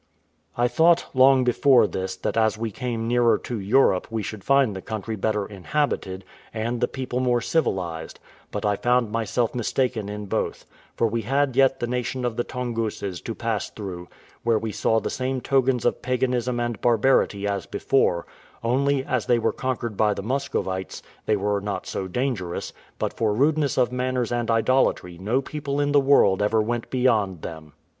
I thought, long before this, that as we came nearer to Europe we should find the country better inhabited, and the people more civilised; but I found myself mistaken in both: for we had yet the nation of the Tonguses to pass through, where we saw the same tokens of paganism and barbarity as before; only, as they were conquered by the Muscovites, they were not so dangerous, but for rudeness of manners and idolatry no people in the world ever went beyond them.